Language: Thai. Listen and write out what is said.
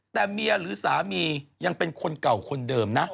แต่เมียหรือสามียังเป็นคนเก่าคนเดิมนะ